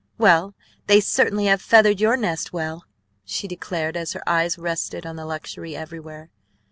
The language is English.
"Well, they certainly have feathered your nest well!" she declared as her eyes rested on the luxury everywhere.